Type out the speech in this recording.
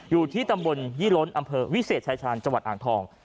อยู่ที่ตำบลยี่ล้นอำเภอวิเศษชายชาญจังหวัดอ่างทอง